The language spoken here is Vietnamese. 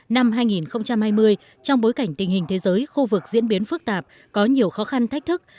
năm hai nghìn hai mươi trong bối cảnh tình hình thế giới khu vực diễn biến phức tạp có nhiều khó khăn thách thức